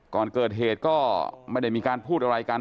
ก่อนเกิดเหตุก็ไม่ได้มีการพูดอะไรกัน